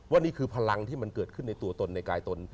นี่คือพลังที่มันเกิดขึ้นในตัวตนในกายตน